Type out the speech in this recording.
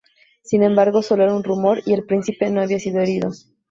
Sin embargo, solo era un rumor y el príncipe no había sido herido.